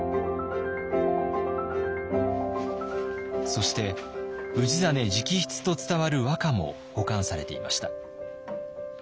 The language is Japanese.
そして氏真直筆と伝わる和歌も保管されていました。